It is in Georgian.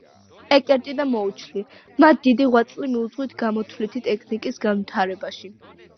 ეკერტი და მოუჩლი ,მათ დიდი ღვაწლი მიუძღვით გამოთვლითი ტექნიკის განვითარებაში